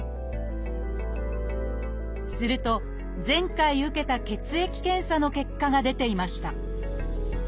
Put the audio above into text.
すると前回受けた血液検査の結果が出ていました